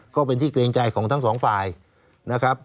ก็เป็นที่เกรงใจของทั้งสองฝ่ายนะครับ